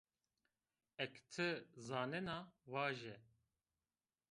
Eke ti zanena, vaje